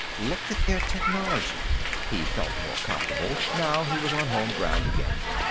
Look at their technology." He felt more comfortable, now he was on home ground again.